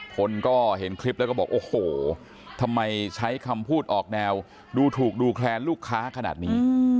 คนก็เห็นคลิปแล้วก็บอกโอ้โหทำไมใช้คำพูดออกแนวดูถูกดูแคลนลูกค้าขนาดนี้